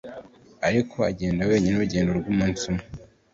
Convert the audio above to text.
Ariko agenda wenyine urugendo rw umunsi umwe